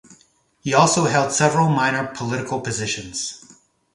He also held several minor political positions.